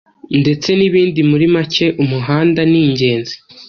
ndetse n’ibindi muri make umuhanda ni ingenzi